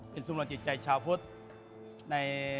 เป็นส่วนรวมจิตใจชาวพุทธ